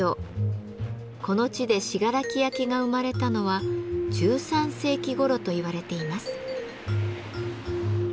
この地で信楽焼が生まれたのは１３世紀ごろと言われています。